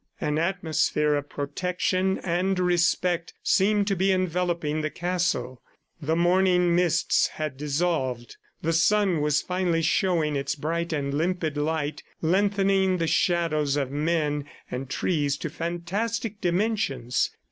An atmosphere of protection and respect seemed to be enveloping the castle. The morning mists had dissolved; the sun was finally showing its bright and limpid light, lengthening the shadows of men and trees to fantastic dimensions.